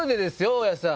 大家さん。